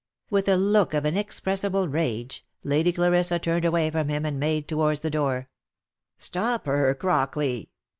With a look of inexpressible rage, Lady Clarissa turned away from, him and made towards the door, " Stop her, Crockley!"